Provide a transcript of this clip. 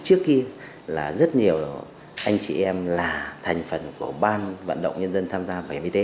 trước kia là rất nhiều anh chị em là thành phần của ban vận động nhân dân tham gia bảo hiểm y tế